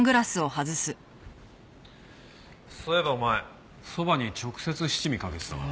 そういえばお前そばに直接七味かけてたな。